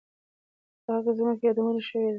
په هغه زمانه کې یې یادونه شوې ده.